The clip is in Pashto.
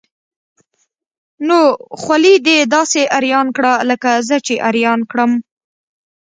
نو خولي ده داسې اریان کړه لکه زه چې اریان کړم.